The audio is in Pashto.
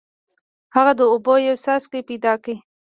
هغه د اوبو یو څاڅکی پیدا کړ.